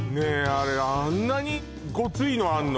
あれあんなにゴツいのあんの？